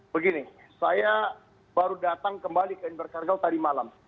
begini saya baru datang kembali ke embar kargal tadi malam